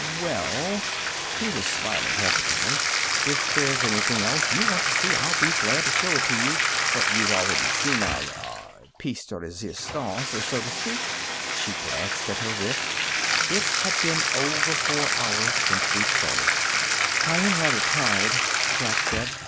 "Well " He was smilingly hesitant. "If there's anything else you want to see, I'll be glad to show it to you. But you've already seen our ... ah ... piece de resistance, so to speak." She glanced at her wrist. It had been over four hours since we'd started. "I am rather tired," Jack said.